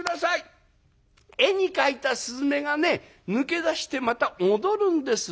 絵に描いた雀がね抜け出してまた戻るんです」。